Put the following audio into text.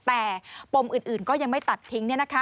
แต่ปมอื่นก็ยังไม่ตัดทิ้ง